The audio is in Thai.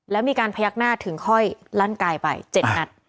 แล้วมีการพยักหน้าถึงค่อยลั่นกายไป๗นัด